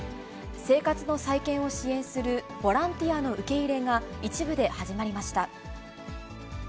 生活の再建を支援するボランティアの受け入れが一部で始まりました。